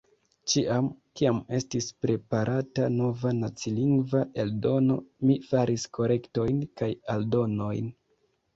Ĉiam, kiam estis preparata nova nacilingva eldono, mi faris korektojn kaj aldonojn.